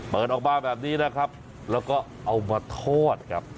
ออกมาแบบนี้นะครับแล้วก็เอามาทอดครับ